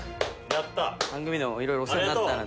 番組でも色々お世話になったので。